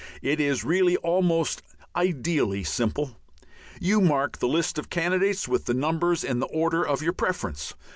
It is really almost ideally simple. You mark the list of candidates with numbers in the order of your preference.